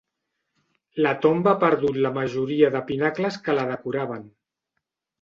La tomba ha perdut la majoria de pinacles que la decoraven.